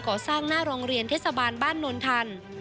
ก่อสร้างหน้าโรงเรียนเทศบาลบ้านนนทัน